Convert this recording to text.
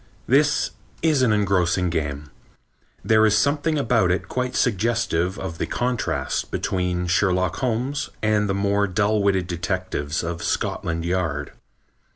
This is an engrossing game. There is something about it quite suggestive of the contrast between Sherlock Holmes and the more dull witted detectives of Scotland Yard.